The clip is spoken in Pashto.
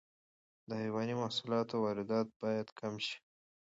د حیواني محصولاتو واردات باید کم شي.